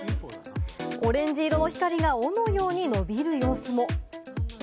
オレンジ色の光が尾のように伸びる様子も。